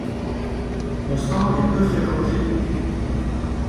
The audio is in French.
Mon stand est peu fréquenté.